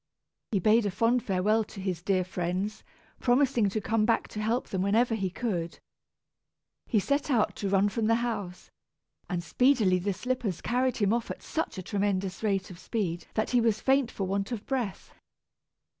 He bade a fond farewell to his dear friends, promising to come back to help them whenever he could. He set out to run from the house, and speedily the slippers carried him off at such a tremendous rate of speed that he was faint for want of breath.